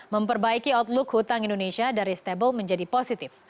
memperbaiki outlook hutang indonesia dari stable menjadi positif